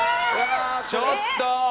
ちょっと。